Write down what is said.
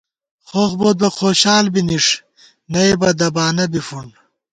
خوخ بوت بہ خوشال بی نِݭ نئیبہ دبانہ بی فُنڈ